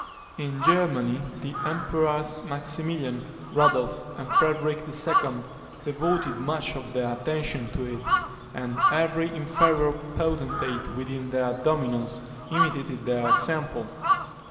In Germany, the Emperors Maximilian, Rudolph, and Frederic II. devoted much of their attention to it; and every inferior potentate within their dominions imitated their example.